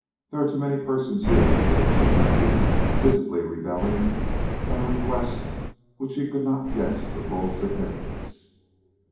"There are too many persons here," the witness objected, visibly rebelling at a request of which he could not guess the full significance.